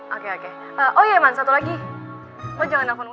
oke oke oh iya man satu lagi lo jangan telepon wulan